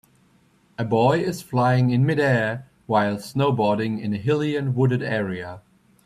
A boy is flying in midair while snowboarding in a hilly and wooded area.